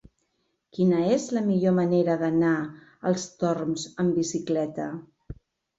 Quina és la millor manera d'anar als Torms amb bicicleta?